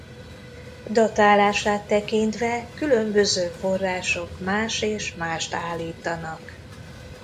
Datálását tekintve különböző források más és mást állítanak.